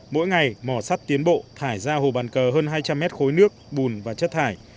mỗi ngày mỏ sắt tiến bộ thải ra hồ bàn cờ hơn hai trăm linh mét khối nước bùn và chất thải